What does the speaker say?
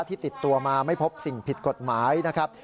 ที่ติดตัวมาไม่พบสิ่งผิดกฎหมายนะครับ